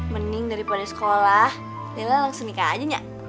mending daripada sekolah della langsung nikah aja nnya